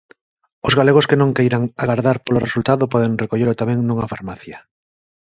Os galegos que non queiran agardar polo resultado poden recollelo tamén nunha farmacia.